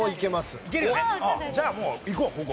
じゃあもういこうここ。